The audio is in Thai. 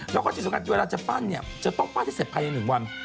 แล้วก็จริงของของเวลาจะปั้นจะต้องป้าที่เสร็จภายในหนึ่งวัน